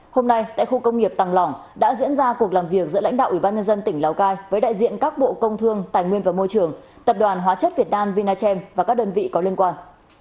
hôm nay tại khu công nghiệp tàng lỏng đã diễn ra cuộc làm việc giữa lãnh đạo ủy ban nhân dân tỉnh lào cai với đại diện các bộ công thương tài nguyên và môi trường tập đoàn hóa chất việt nam vinachem và các đơn vị có liên quan